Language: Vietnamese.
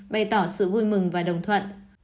bày tỏ sự vui mừng và đồng thuận